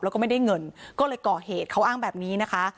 แล้วก็ไม่ได้เงินก็เลยก่อเหตุเขาอ้างแบบนี้นะคะ